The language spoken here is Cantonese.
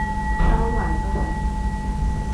周圍都係